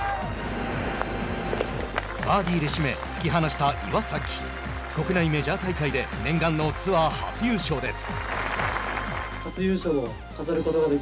バーディーで締め突き放した岩崎国内メジャー大会で念願のツアー初優勝です。